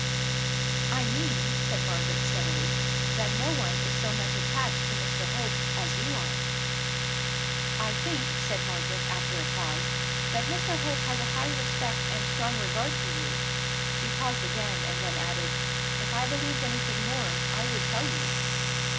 "I mean," said Margaret, steadily, "that no one is so much attached to Mr Hope as you are." "I think," said Margaret, after a pause, "that Mr Hope has a high respect and strong regard for you." She paused again, and then added, "If I believed anything more, I would tell you."